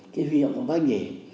cái huy hậu của bác nhỉ